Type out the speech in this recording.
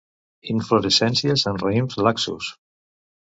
Inflorescències en raïms laxos.